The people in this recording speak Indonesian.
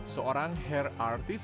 seorang hair artist